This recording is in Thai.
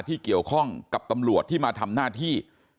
ที่เกี่ยวข้องกับตำรวจที่มาทำหน้าที่